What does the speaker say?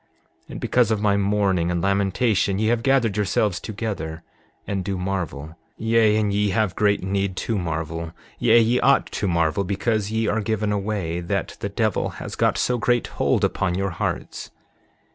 7:15 And because of my mourning and lamentation ye have gathered yourselves together, and do marvel; yea, and ye have great need to marvel; yea, ye ought to marvel because ye are given away that the devil has got so great hold upon your hearts.